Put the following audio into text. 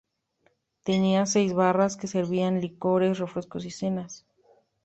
Tenía seis barras que servían licores, refrescos y cenas.